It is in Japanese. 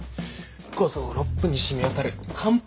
五臓六腑に染み渡る完膚